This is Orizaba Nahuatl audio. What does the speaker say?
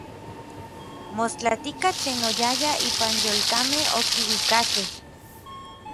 Mostlatika tlen oyayaj ipan yolkamej okiuikakej.